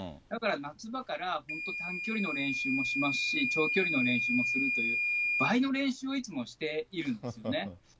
だから夏場から、本当、短距離の練習もしますし、長距離の練習も積むという、倍の練習をいつもしているんですよね。